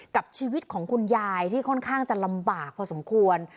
กับชีวิตของคุณยายที่ค่อนข้างจะลำบากพอสมควร